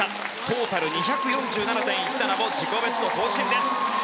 トータル２４７．１７も自己ベスト更新です。